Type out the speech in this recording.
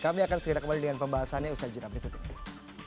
kami akan segera kembali dengan pembahasannya usai jeda berikut ini